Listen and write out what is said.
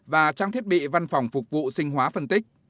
và trang thiết bị văn phòng phục vụ sinh hóa phân tích